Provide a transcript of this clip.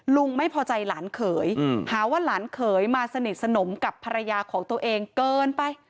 ลุงไม่พอใจหลานเขยหาว่าหลานเขยมาสนิทสนมกับภรรยาของตัวเองเกินไป